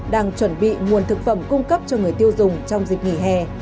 đang chuẩn bị nguồn thực phẩm cung cấp cho người tiêu dùng trong dịp nghỉ hè